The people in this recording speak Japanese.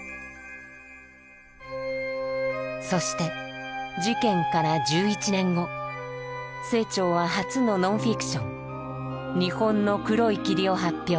そして事件から１１年後清張は初のノンフィクション「日本の黒い霧」を発表。